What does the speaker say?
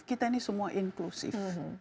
kita ini semua inklusif